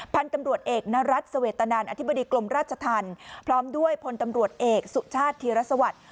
พันธุ์ตำรวจเอกนรัฐเสวตนันอธิบดีกรมราชธรรมพร้อมด้วยพลตำรวจเอกสุชาติธีรสวัสดิ์